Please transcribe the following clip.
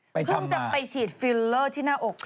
เพิ่งจะไปฉีดฟิลเลอร์ที่หน้าอก